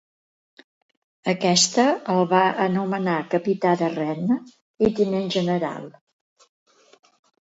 Aquesta el va anomenar capità de Rennes i tinent general.